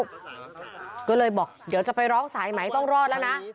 ก็เลยบอกเดี๋ยวจะไปร้องสายไหมต้องรอดแล้วนะ